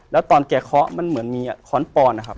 แล้วตอนเค้าข้อมันเหมือนมีขอนปอนด์